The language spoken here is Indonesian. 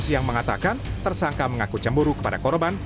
yang mengatakan tersangka mengaku cemburu kepada korban